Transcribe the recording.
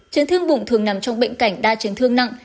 chiến thương bụng thường nằm trong bệnh cảnh đa chiến thương nặng